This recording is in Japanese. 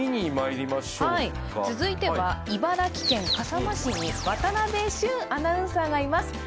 続いては茨城県笠間市に渡部峻アナウンサーがいます。